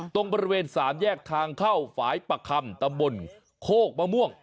ตรงบริเวณสามแยกทางเข้าฝ่ายปะคำตำบลโคกมะม่วง